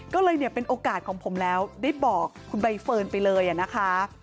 ก็เลยเนี่ยเป็นโอกาสของผมแล้วได้บอกคุณใบเฟิร์นไปเลยนะคะ